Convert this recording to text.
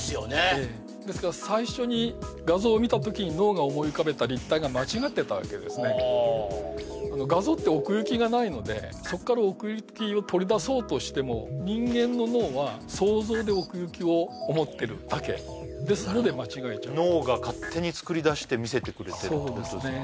ええですから最初に画像を見た時に脳が思い浮かべた立体が間違ってたわけですねはあ画像って奥行きがないのでそこから奥行きを取り出そうとしても人間の脳は想像で奥行きを思ってるだけですので間違えちゃう脳が勝手に作り出して見せてくれてるってことですか？